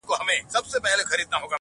ستا د سترگو جام مي د زړه ور مات كـړ.